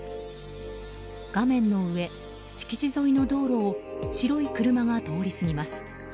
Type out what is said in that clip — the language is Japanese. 画面の上、敷地沿いの道路を白い車が通り過ぎます。